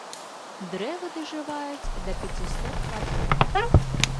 Дрэвы дажываюць да пяцісот гадоў.